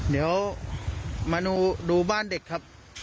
เดี๋ยวมาดูบ้านเด็กครับ